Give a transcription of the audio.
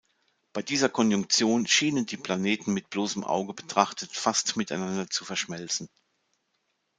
Bei dieser Konjunktion schienen die Planeten mit bloßem Auge betrachtet fast miteinander zu verschmelzen.